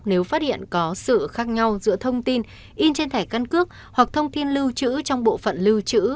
nếu phát hiện có sự khác nhau giữa thông tin in trên thẻ căn cước hoặc thông tin lưu trữ trong bộ phận lưu trữ